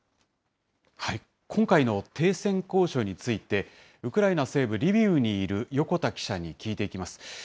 今回の停戦交渉について、ウクライナ西部リビウにいる横田記者に聞いていきます。